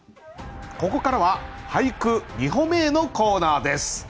ここからは「俳句、二歩目へ」のコーナーです。